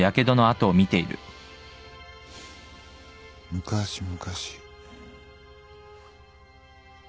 昔々。